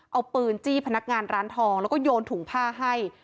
เอาปืนจี้พนักงานร้านทองแล้วก็โยนถุงผ้าให้